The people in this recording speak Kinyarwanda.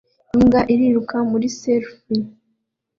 Imbwa iriruka muri serf